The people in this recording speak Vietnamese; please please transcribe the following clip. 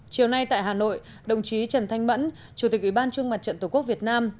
chiều nay tại hà nội đồng chí trần thanh mẫn chủ tịch ủy ban trung mặt trận tổ quốc việt nam